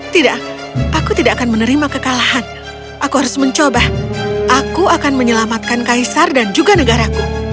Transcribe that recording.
tidak aku tidak akan menerima kekalahan aku harus mencoba aku akan menyelamatkan kaisar dan juga negaraku